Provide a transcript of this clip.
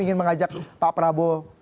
ingin mengajak pak prabowo